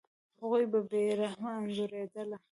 هغوی به بې رحمه انځورېدل.